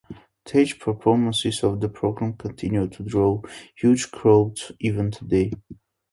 Stage performances of the program continue to draw huge crowds even today.